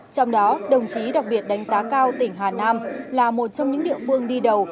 trong đó đồng chí đặc biệt đánh giá cao tỉnh hà nam là một trong những địa phương đi đầu